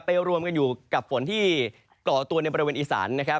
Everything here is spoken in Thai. ไปรวมอยู่กับฝนที่เกาะตัวในบริเวณอีสาน